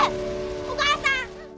お母さん！